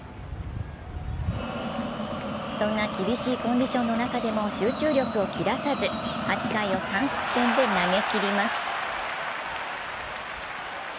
そんな厳しいコンディションの中でも集中力を切らさず８回を３失点で投げきります。